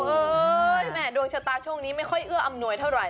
แม่ดวงชะตาช่วงนี้ไม่ค่อยเอื้ออำนวยเท่าไห